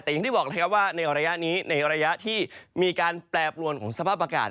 แต่อย่างที่บอกเลยครับว่าในระยะนี้ในระยะที่มีการแปรปรวนของสภาพอากาศ